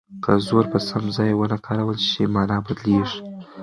که زور په سم ځای ونه کارول شي مانا بدلیږي.